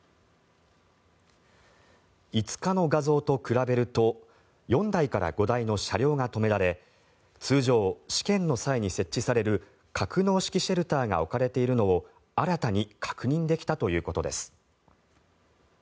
５日の画像と比べると４台から５台の車両が止められ通常、試験の際に設置される格納式シェルターが置かれているのを新たに確認できたということです。